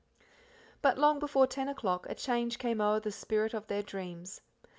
But long before ten o'clock a change came o'er the spirit of their dreams.